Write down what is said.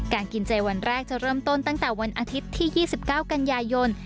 กินเจวันแรกจะเริ่มต้นตั้งแต่วันอาทิตย์ที่๒๙กันยายน